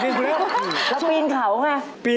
แล้วปีนเขาไง